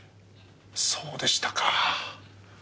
そうでしたか。